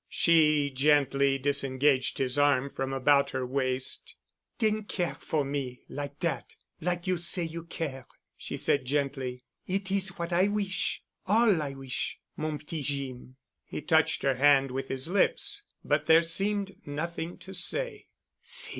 She gently disengaged his arm from about her waist. "Den care for me like dat—like you say you care," she said gently. "It is what I wish—all I wish, mon petit Jeem." He touched her hand with his lips but there seemed nothing to say.